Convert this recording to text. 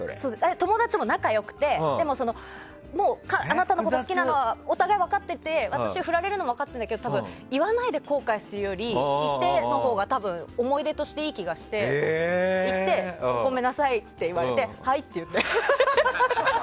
友達とも仲良くてあなたのことが好きなのがお互い分かっていて私がフラれるのは分かってたんだけど言わないで後悔するより言ってのほうが思い出としていい気がして言ってごめんなさいって言われてはいって言って。